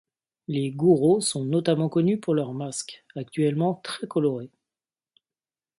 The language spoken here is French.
Les Gouro sont notamment connus pour leurs masques, actuellement très colorés.